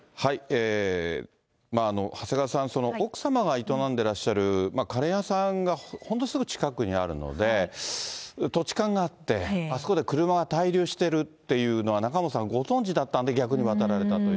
長谷川さん、奥様が営んでらっしゃるカレー屋さんが、ほんのすぐ近くにあるので、土地勘があって、あそこで車が滞留してるっていうのは仲本さんご存じだったんで、逆に渡られたと。